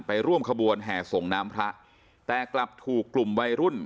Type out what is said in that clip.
ร่วมขบวนแห่ส่งน้ำพระแต่กลับถูกกลุ่มวัยรุ่น